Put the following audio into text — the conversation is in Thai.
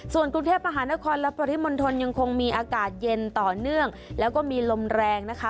ส่วนกรุงเทพมหานครและปริมณฑลยังคงมีอากาศเย็นต่อเนื่องแล้วก็มีลมแรงนะคะ